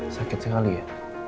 sakit sekali ya